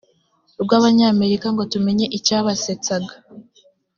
rw abanyamerika ngo tumenye icyabasetsaga